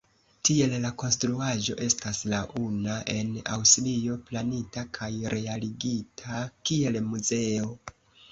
Tiel la konstruaĵo estas la una en Aŭstrio planita kaj realigita kiel muzeo.